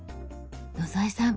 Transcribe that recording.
野添さん